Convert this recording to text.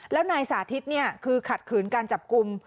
แล้วนายสาธิตคือขัดขืนการจับกลุ่ม